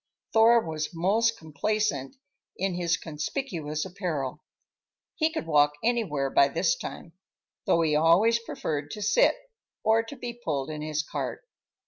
Thor was most complacent in his conspicuous apparel. He could walk anywhere by this time—though he always preferred to sit, or to be pulled in his cart.